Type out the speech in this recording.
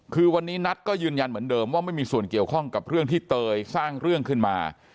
คือวันนี้นัทก็ยืนยันเหมือนเดิมว่าไม่มีส่วนเกี่ยวข้องกับเรื่องที่เตยสร้างเรื่องขึ้นมา